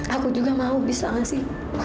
aku juga mau bisa ngasih